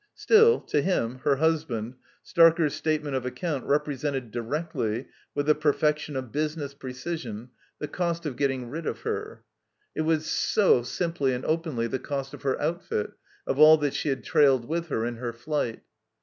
Still, to him, her husband, Starker's statement of accotmt represented directly, with the perfection of business precision, the cost of getting rid of her; it was so 291 THE COMBINED MAZE simply and openly the cost of her outfit, of all that she had trailed with her in her flight.